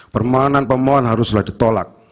permohonan pemohon haruslah ditolak